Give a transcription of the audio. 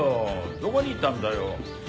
どこにいたんだよ？